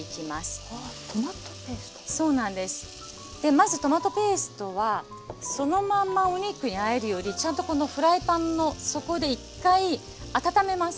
まずトマトペーストはそのまんまお肉にあえるよりちゃんとこのフライパンの底で一回温めます。